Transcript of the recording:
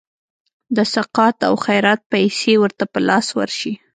د سقاط او خیرات پیسي ورته په لاس ورشي.